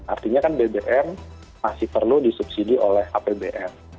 artinya kan bbm masih perlu disubsidi oleh apbn